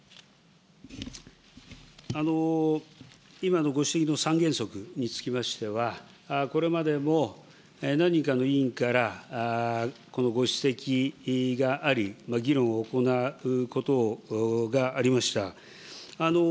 今のご指摘の三原則につきましては、これまでも何人かの委員からこのご指摘があり、議論を行うことがありました。